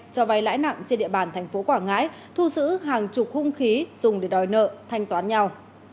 cho vay lãi nặng trên địa bàn thành phố quảng ngãi thu giữ hàng chục hung khí dùng để đòi nợ thanh toán nhau